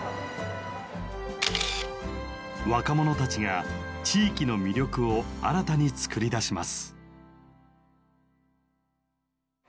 若者たちが地域の魅力を新たに作り出します。